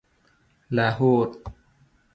لاهور